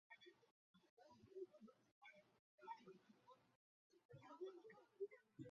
定义项的性质与属性则要视乎该命题的相应原意。